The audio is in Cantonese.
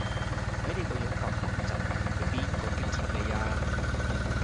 睇你個樣咁䒐䒏畀邊個激親你呀